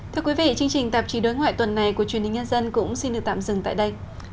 thưa quý vị chương trình tạp chí đối ngoại tuần này của truyền hình nhân dân cũng xin được tạm dừng tại đây